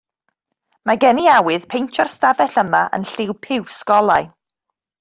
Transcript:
Mae gen i awydd paentio'r stafell yma yn lliw piws golau.